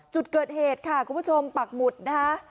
จุดเกิดเหตุค่ะคุณผู้ชมปักหมุดนะคะ